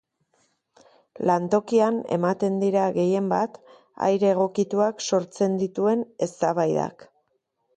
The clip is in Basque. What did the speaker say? Lantokian ematen dira gehien bat, aire egokituak sortzen dituen eztabaidak.